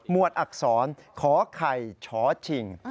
วดอักษรขอไข่ช้อชิง